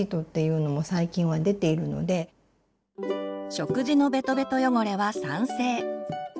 食事のベトベト汚れは酸性。